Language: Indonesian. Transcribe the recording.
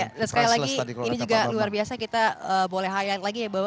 ya sekali lagi ini juga luar biasa kita boleh highlight lagi ya bahwa